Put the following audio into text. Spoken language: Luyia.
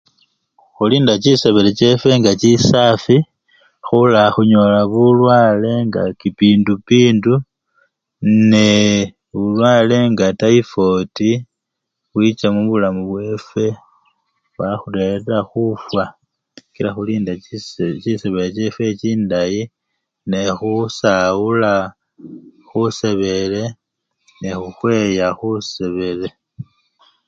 Khulinda chisebele chefwe nga chisafi khulakhunyola bulwale nga kipindupindu nee bulwale nga tayifwoti bubwicha mubulamu bwefwe bwakhurerera khufwa kila khulinda chisebele chefwe nga chindayi nekhusawula khusebele nekhukhweya khusebele.